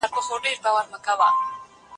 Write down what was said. زموږ دکلي یو سړی وو اوس هغه نه ښکاري